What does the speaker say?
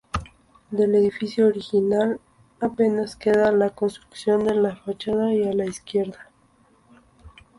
Del edificio original, apenas queda la construcción de la fachada y el ala izquierda.